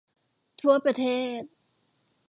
ทั่วประเทศ